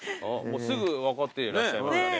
すぐ分かってらっしゃいましたね。